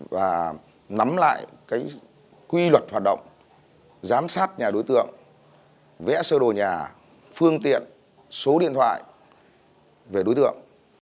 và nắm lại cái quy luật hoạt động giám sát nhà đối tượng vẽ sơ đồ nhà phương tiện số điện thoại về đối tượng